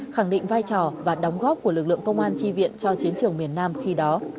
khẳng định vai trò và đóng góp của lực lượng công an tri viện cho chiến trường miền nam khi đó